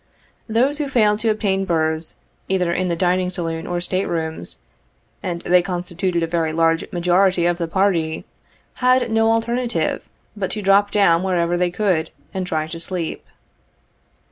Those who failed to obtain berths, either in the dining saloon or state rooms, and they constituted a very large majority of the party, had no alternative, but to drop down wherever they could, and try to sleep.